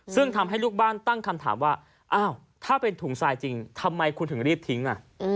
ซึ่งทำให้ลูกบ้านตั้งคำถามว่าอ้าวถ้าเป็นถุงทรายจริงทำไมคุณถึงรีบทิ้ง